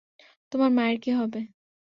তোমার মায়ের কী হবে?